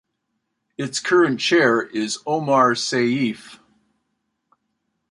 Its current chair is Omar Saif.